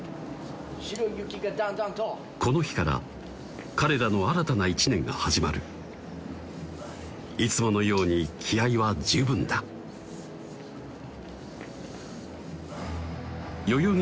この日から彼らの新たな１年が始まるいつものように気合いは十分だ代々木